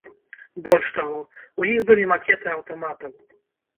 Больш таго, у іх былі макеты аўтаматаў.